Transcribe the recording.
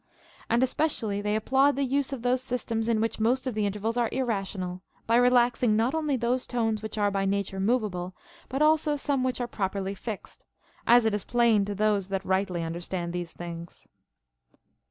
And especially they applaud the use of those systems in which most of the intervals are irrational, by relaxing not only those tones which are by nature mov able, but also some which are properly fixed ; as it is plain to those that rightly understand these things.